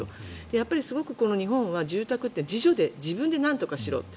やっぱりすごく日本で住居は自助でなんとかしろと。